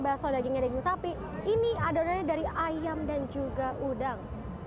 bakso dagingnya daging sapi ini adonannya dari ayam dan juga udang